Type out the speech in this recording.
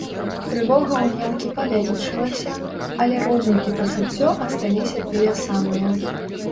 Трывога ў немкі павялічылася, але розум і пачуццё асталіся тыя самыя.